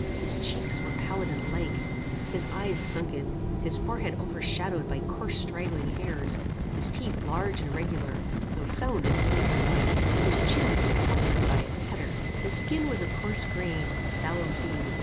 His cheeks were pallid and lank, his eyes sunken, his forehead overshadowed by coarse straggling hairs, his teeth large and irregular, though sound and brilliantly white, and his chin discoloured by a tetter. His skin was of coarse grain, and sallow hue.